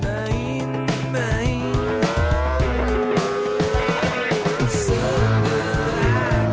nah nanti bang